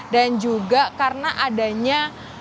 dan juga karena adanya